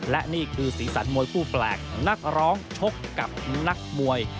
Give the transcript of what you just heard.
และนี่คือสีสันมวยคู่แปลกนักร้องชกกับนักมวย